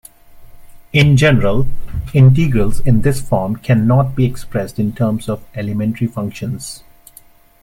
In general, integrals in this form cannot be expressed in terms of elementary functions.